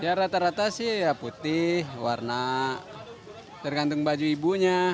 ya rata rata sih ya putih warna tergantung baju ibunya